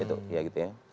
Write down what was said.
itu ya gitu ya